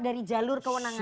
dari jalur kewenangannya